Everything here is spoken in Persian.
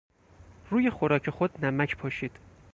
روی خوراک خود نمک پاشید.